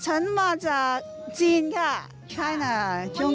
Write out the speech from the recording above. ฉันมาจากจีนค่ะไทยนะจังหวัง